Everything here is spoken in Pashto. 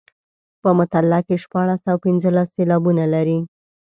په مطلع کې شپاړس او پنځلس سېلابونه لري.